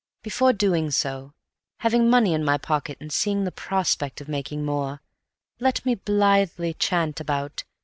Before doing so, having money in my pocket and seeing the prospect of making more, let me blithely chant about.